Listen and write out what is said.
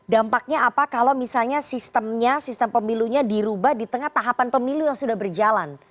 dampaknya apa kalau misalnya sistemnya sistem pemilunya dirubah di tengah tahapan pemilu yang sudah berjalan